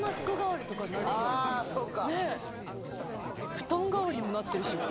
布団代わりにもなってるし。